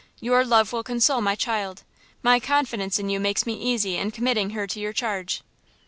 Your love will console my child. My confidence in you makes me easy in committing her to your charge."